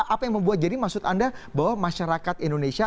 apa yang membuat jadi maksud anda bahwa masyarakat indonesia